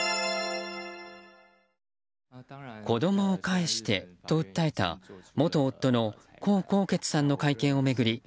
子供を返してと訴えた元夫の江宏傑さんの会見を巡り